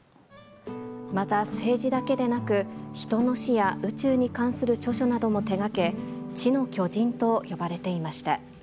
また、政治だけでなく、人の死や宇宙に関する著書なども手がけ、知の巨人と呼ばれていました。